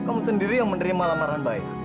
kamu sendiri yang menerima lamaran baik